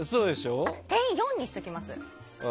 １７０．４にしておきます？